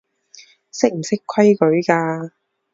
識唔識規矩㗎